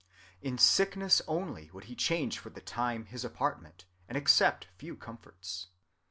' In sickness only would he change for the time his apartment and accept a few comforts.